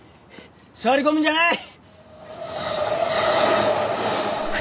座り込むんじゃない！